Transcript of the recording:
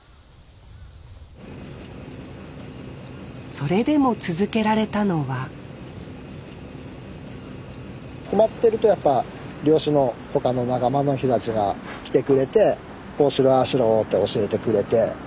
それでも続けられたのは困ってるとやっぱ漁師の他の仲間の人たちが来てくれてこうしろああしろって教えてくれて。